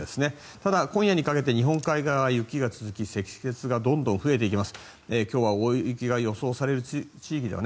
ただ、今夜にかけて日本海側は雪が続き積雪がどんどん増えていきます。